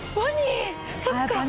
そっか。